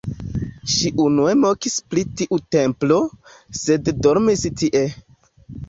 Ŝi unue mokis pri tiu templo, sed dormis tie.